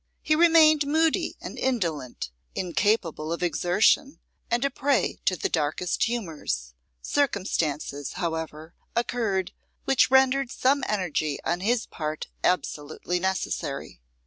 He remained moody and indolent, incapable of exertion, and a prey to the darkest humours; circumstances, however, occurred which rendered some energy on his part absolutely necessary.